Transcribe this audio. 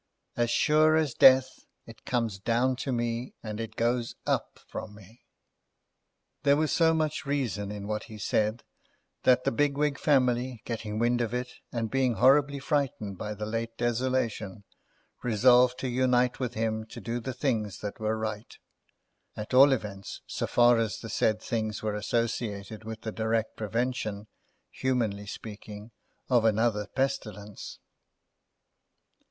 As sure as Death, it comes down to me, and it goes up from me." There was so much reason in what he said, that the Bigwig family, getting wind of it, and being horribly frightened by the late desolation, resolved to unite with him to do the things that were right—at all events, so far as the said things were associated with the direct prevention, humanly speaking, of another pestilence.